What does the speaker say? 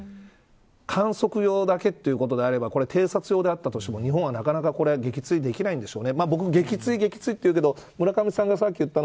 観測用だけということであれば偵察用だったとしても、日本はなかなか、これを撃墜できないんでしょうね。